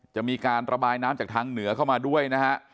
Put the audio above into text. จะมีการระบายน้ำจากทางเหนือเข้ามาด้วยนะฮะ